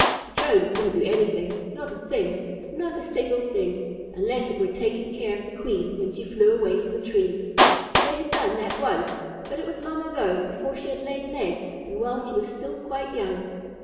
The Drones didn't do anything, not a thing, not a single thing, unless it were taking care of the Queen when she flew away from the tree. They had done that once, but it was long ago, before she had laid an egg and while she was still quite young.